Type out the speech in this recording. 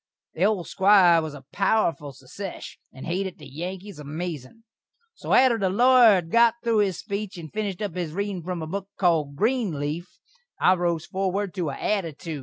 The old Squire was a powerful sesesh, and hated the Yankees amazin'. So atter the lawyer had got thru his speech and finished up his readin' from a book called "Greenleaf," I rose forward to a attitood.